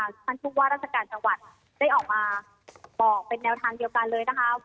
ท่านผู้ว่าราชการจังหวัดได้ออกมาบอกเป็นแนวทางเดียวกันเลยนะคะ